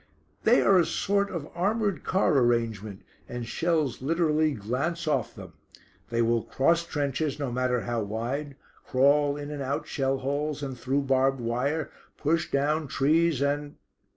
They are a sort of armoured car arrangement and shells literally glance off them. They will cross trenches, no matter how wide, crawl in and out shell holes, and through barbed wire, push down trees and...."